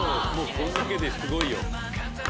こんだけですごいよ。